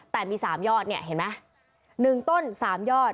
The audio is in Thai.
แต่มีสามยอดเนี่ยเห็นมั้ย๑ต้น๓ยอด